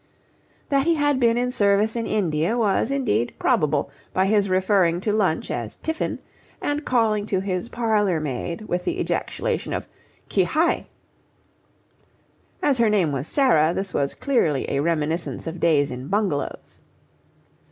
That he had seen service in India was, indeed, probable by his referring to lunch as tiffin, and calling to his parlour maid with the ejaculation of "Qui hi". As her name was Sarah, this was clearly a reminiscence of days in bungalows.